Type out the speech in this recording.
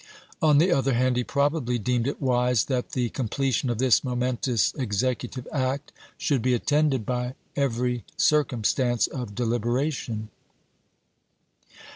On the other hand, he probably deemed it wise that the completion of this momentous executive act should be attended by every circumstance of deliberation.